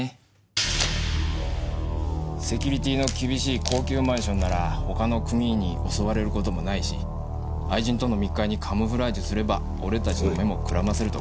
セキュリティーの厳しい高級マンションなら他の組員に襲われる事もないし愛人との密会にカムフラージュすれば俺たちの目もくらませると考えたんだろう。